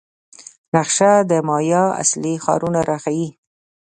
نقشه د مایا اصلي ښارونه راښيي.